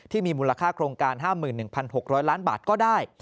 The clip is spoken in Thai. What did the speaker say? ที่มีมูลค่าโครงการ๕๑๖๐๐ล้านบาทก็ได้